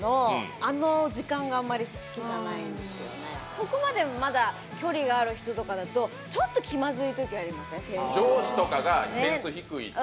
そこまでまだ距離がある人とかだとちょっと気まずい時ありません？